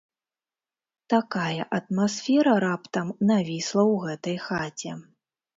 Такая атмасфера раптам навісла ў гэтай хаце.